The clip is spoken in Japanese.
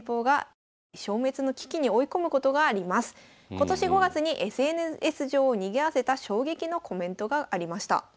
今年５月にＳＮＳ上をにぎわせた衝撃のコメントがありました。